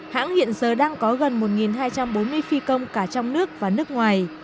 hãng hiện giờ đang có gần một hai trăm bốn mươi phi công cả trong nước và nước ngoài